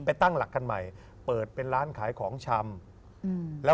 ตั้งหลักกันใหม่เปิดเป็นร้านขายของชำแล้ว